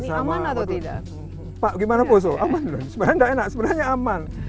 sama atau tidak pak gimana poso sebenarnya aman makanya kalau ke sana aman enggak ada masalah